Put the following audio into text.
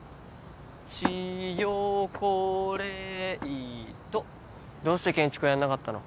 チ・ヨ・コ・レ・イ・トどうして建築やんなかったの？